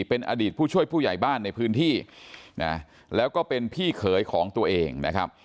เป็นอดีตผู้ช่วยผู้ใหญ่บ้านในพื้นที่นะแล้วก็เป็นพี่เขยของตัวเองนะครับ